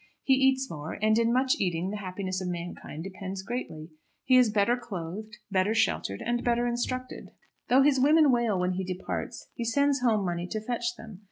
He eats more; and in much eating the happiness of mankind depends greatly. He is better clothed, better sheltered, and better instructed. Though his women wail when he departs, he sends home money to fetch them.